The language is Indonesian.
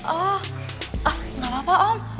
aaa ah ah gak apa apa om